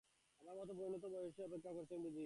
আমার মতো পরিণত বয়সের জন্যে অপেক্ষা করছেন বুঝি?